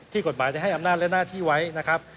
กฎหมายจะให้อำนาจและหน้าที่ไว้นะครับ